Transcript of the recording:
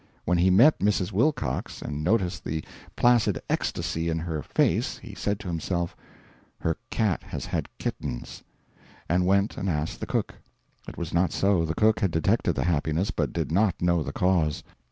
When he met Mrs. Wilcox and noticed the placid ecstasy in her face, he said to himself, "Her cat has had kittens" and went and asked the cook; it was not so, the cook had detected the happiness, but did not know the cause.